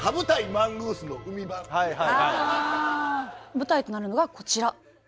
舞台となるのがこちら。